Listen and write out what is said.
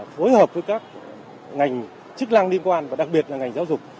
phối hợp với các ngành chức năng liên quan và đặc biệt là ngành giáo dục